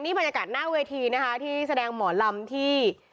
บรรยากาศหน้าเวทีนะคะที่แสดงหมอลำที่